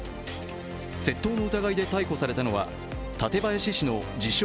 窃盗の疑いで逮捕されたのは館林市の自称